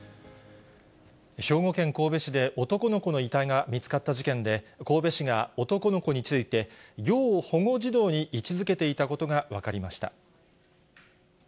兵庫県神戸市で男の子の遺体が見つかった事件で、神戸市が男の子について、要保護児童に位置づけていたことが分かりました。